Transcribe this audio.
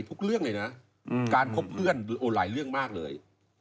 ทุกเรื่องเลยนะการคบเพื่อนหลายเรื่องมากเลย